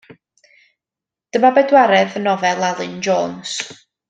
Dyma bedwaredd nofel Alun Jones.